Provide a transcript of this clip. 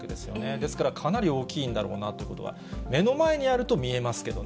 ですからかなり大きいんだろうなということは、目の前にあると見えますけどね。